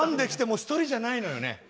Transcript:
もう１人じゃないのよね。